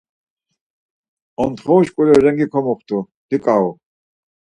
Ontxoru şkule rengi komuxtu, diǩau.